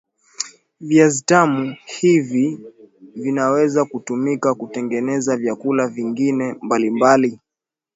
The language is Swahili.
viazi vitam hivi vinaweza kutumika kutengeneza vyakula vingine mbali mbali